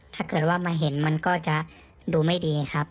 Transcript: ถ้าเกิดว่ามาเห็นมันก็จะดูไม่ดีครับ